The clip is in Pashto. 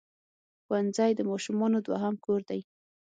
ښوونځی د ماشومانو دوهم کور دی.